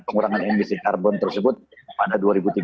pengurangan emisi karbon tersebut pada dua ribu tiga belas